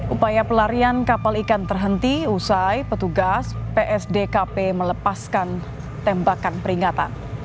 upaya pelarian kapal ikan terhenti usai petugas psdkp melepaskan tembakan peringatan